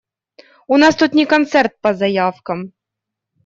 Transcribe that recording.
У нас тут не концерт по заявкам.